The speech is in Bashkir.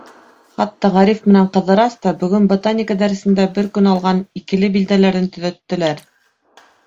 Хатта Ғариф менән Ҡыҙырас та бөгөн ботаника дәресендә бер көн алған «икеле» билдәләрен төҙәттеләр.